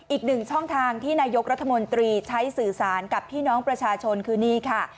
อีกหนึ่งช่องทางที่นายกรัฐมนตรีใช้สื่อสารกับพี่น้องประชาชนคือนี่ค่ะ